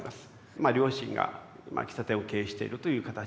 まあ両親が喫茶店を経営しているという形で。